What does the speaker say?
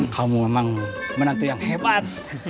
kamu memang menantu yang hebat